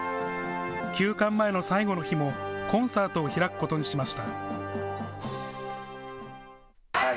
休館前の最後の日もコンサートを開くことにしました。